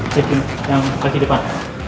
cek yang kaki depan